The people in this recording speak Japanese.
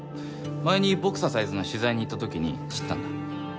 前にボクササイズの取材に行った時に知ったんだ。